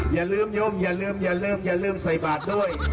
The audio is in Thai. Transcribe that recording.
อย่าลืมยมอย่าลืมอย่าลืมอย่าลืมใส่บาทด้วย